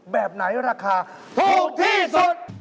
แบบไหนราคาถูกที่สุด